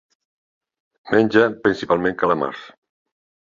Menja principalment calamars.